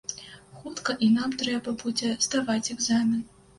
Хутка і нам трэба будзе здаваць экзамен.